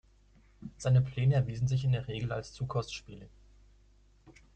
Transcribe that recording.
Seine Pläne erwiesen sich in der Regel als zu kostspielig.